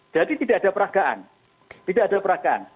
jadi tidak ada peradaan